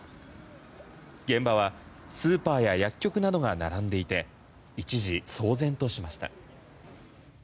現場はスーパーや薬局などが並んでいて一時、騒然としました。